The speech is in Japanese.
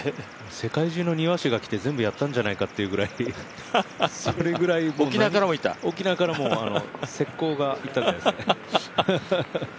世界中の庭師がきて全部やったんじゃないかというぐらいそれぐらい、沖縄からも斥候がいたかもしれないですね。